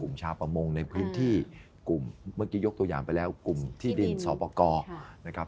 ชาวประมงในพื้นที่กลุ่มเมื่อกี้ยกตัวอย่างไปแล้วกลุ่มที่ดินสอปกรนะครับ